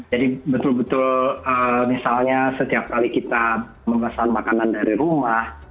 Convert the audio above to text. jadi betul betul misalnya setiap kali kita memesan makanan dari rumah